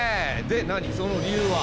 で何その理由は？